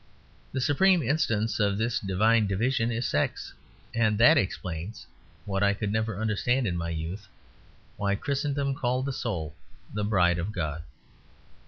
The supreme instance of this divine division is sex, and that explains (what I could never understand in my youth) why Christendom called the soul the bride of God.